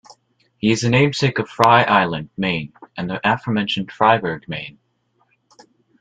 He is the namesake of Frye Island, Maine, and the aforementioned Fryeburg, Maine.